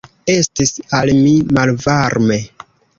Estis al mi malvarme.